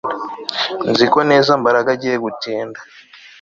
Nzi neza ko Mbaraga agiye gutinda